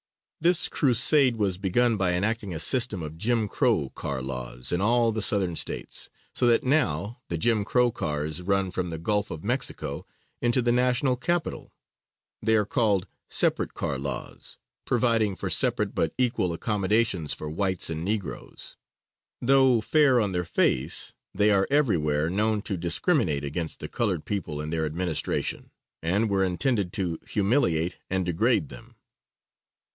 This crusade was begun by enacting a system of Jim Crow car laws in all the Southern States, so that now the Jim Crow cars run from the Gulf of Mexico into the national capital. They are called, "Separate Car Laws," providing for separate but equal accommodations for whites and negroes. Though fair on their face, they are everywhere known to discriminate against the colored people in their administration, and were intended to humiliate and degrade them.